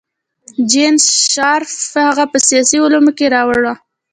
جین شارپ هغه په سیاسي علومو کې راوړه.